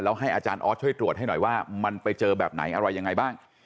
ให้อาจารย์ออสช่วยตรวจให้หน่อยว่ามันไปเจอแบบไหนอะไรยังไงบ้าง